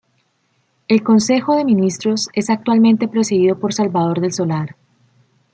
El Consejo de Ministros es actualmente presidido por Salvador del Solar.